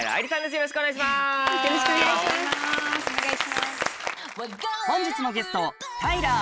よろしくお願いします。